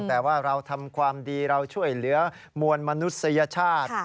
แต่ว่าเราทำความดีเราช่วยเหลือมวลมนุษยชาติ